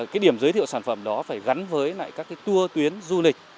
cái điểm giới thiệu sản phẩm đó phải gắn với lại các cái tour tuyến du lịch